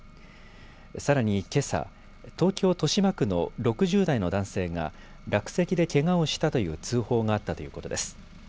さらにけさ、東京豊島区の６０代の男性が落石でけがをしたという通報があったということです。